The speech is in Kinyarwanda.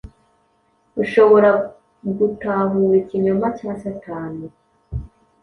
Ushobora gutahura ikinyoma cya Satani